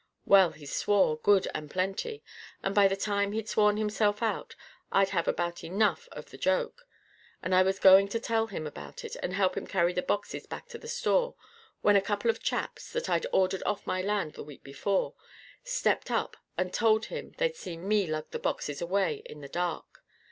Well, he swore, good and plenty. And by the time he'd sworn himself out, I'd had about enough of the joke. And I was just going to tell him about it and help him carry the boxes back to the store, when a couple of chaps that I'd ordered off my land the week before stepped up and told him they'd seen me lug the boxes away in the dark.